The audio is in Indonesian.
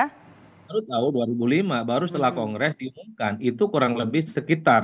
kita tahu dua ribu lima baru setelah kongres diumumkan itu kurang lebih sekitar